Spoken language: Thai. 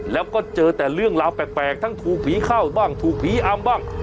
แล้วก็เจอแต่เรื่องราวแปลกทั้งถูกผีเข้าบ้างถูกผีอำบ้าง